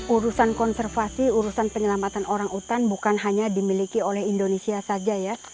urusan konservasi urusan penyelamatan orang utan bukan hanya dimiliki oleh indonesia saja ya